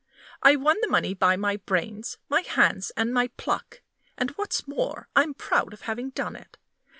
I won the money by my brains, my hands, and my pluck; and, what's more, I'm proud of having done it.